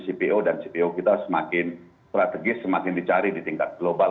cpo dan cpo kita semakin strategis semakin dicari di tingkat global